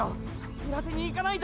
知らせにいかないと！！